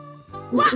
わっ！